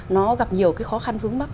nó gặp nhiều cái khó khăn vướng mắt